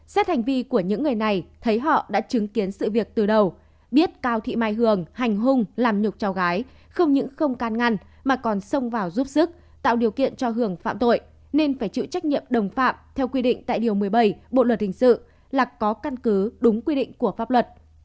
xét hành vi của những người này thấy họ đã chứng kiến sự việc từ đầu biết cao thị mai hường hành hung làm nhục cháu gái không những không can ngăn mà còn xông vào giúp sức tạo điều kiện cho hường phạm tội nên phải chịu trách nhiệm đồng phạm theo quy định tại điều một mươi bảy bộ luật hình sự là có căn cứ đúng quy định của pháp luật